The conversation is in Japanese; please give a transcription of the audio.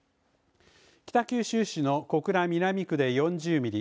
北九州市の小倉南区で４０ミリ。